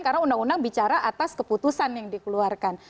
karena undang undang bicara atas keputusan yang dikeluarkan